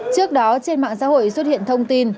trước đó trên mạng xã hội xuất hiện thông tin